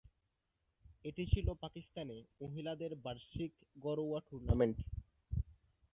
এটি ছিল পাকিস্তানে মহিলাদের বার্ষিক ঘরোয়া টুর্নামেন্ট।